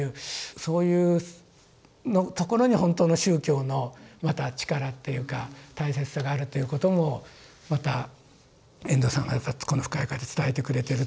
そういうところに本当の宗教のまた力っていうか大切さがあるということもまた遠藤さんがこの「深い河」で伝えてくれてると。